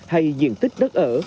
hay diện tích đất ở